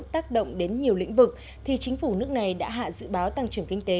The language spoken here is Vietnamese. tác động đến nhiều lĩnh vực thì chính phủ nước này đã hạ dự báo tăng trưởng kinh tế